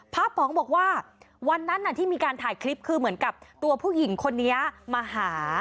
ป๋องบอกว่าวันนั้นที่มีการถ่ายคลิปคือเหมือนกับตัวผู้หญิงคนนี้มาหา